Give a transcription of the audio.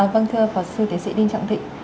vâng thưa phó sư tiến sĩ đinh trọng thịnh